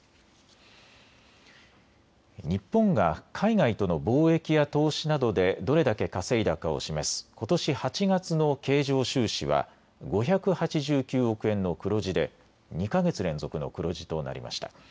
日本が海外との貿易や投資などでどれだけ稼いだかを示すことし８月の経常収支は５８９億円の黒字で２か月連続の黒字となりました。